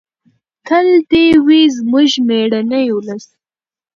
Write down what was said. تل دې وي زموږ مېړنی ولس.